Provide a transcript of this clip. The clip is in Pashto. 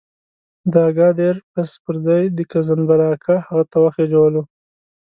د اګادیر بس پر ځای د کزنبلاکه هغه ته وخېژولو.